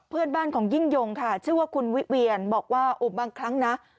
เพื่อนบ้านของยิ่งยงค่ะชื่อว่าคุณวิเวียนบอกว่าบางครั้งนะ